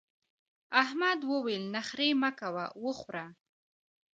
احمد وويل: نخرې مه کوه وخوره.